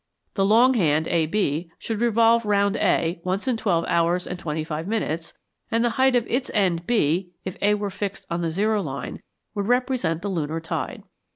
The long hand, AB, should revolve round A once in twelve hours and twenty five minutes, and the height of its end B (if A were fixed on the zero line) would represent the lunar tide.